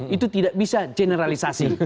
itu tidak bisa generalisasi